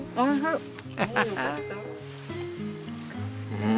うん。